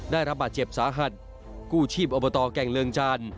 ได้รับบาดเจ็บสาหัสกู้ชีพอบตแก่งเริงจาน